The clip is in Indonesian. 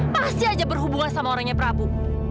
pasti aja berhubungan sama orangnya prabu